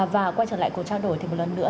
và quay trở lại cuộc trao đổi thì một lần nữa